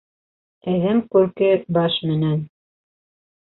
Әҙәм күрке баш менән.